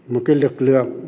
một cái lực lượng